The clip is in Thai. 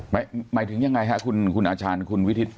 หมายถึงยังไงฮะคุณอาจารย์คุณวิทิศ